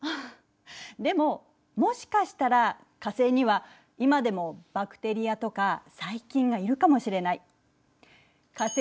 でももしかしたら火星には今でもバクテリアとか細菌がいるかもしれない。